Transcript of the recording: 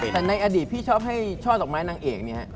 แต่ในอดีตพี่ชอบให้ช่อดอกไม้นางเอกเนี่ย